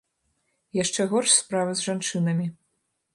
Яшчэ горш справа з жанчынамі.